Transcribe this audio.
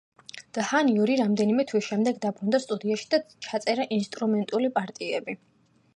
დჰანი ორი რამდენიმე თვის შემდეგ დაბრუნდა სტუდიაში და ჩაწერა ინსტრუმენტული პარტიები.